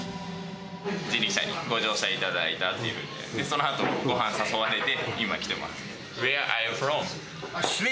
人力車にご乗車いただいたあとに、そのあと、ごはんに誘われて、今、来てます。